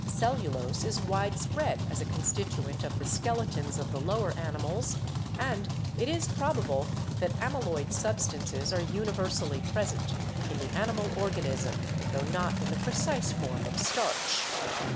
Cellulose is widespread as a constituent of the skeletons of the lower animals and it is probable that amy loid substances are universally present in the animal or ganism, tho not in the precise form of starch.